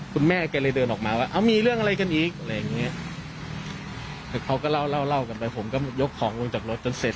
แต่เขาก็เล่ากันไปผมก็ยกของลงจากรถจนเสร็จ